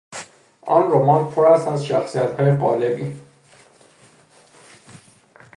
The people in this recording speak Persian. آن رمان پر است از شخصیتهای قالبی.